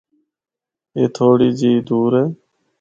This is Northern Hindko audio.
اے تھوڑی جی ای دور ہے۔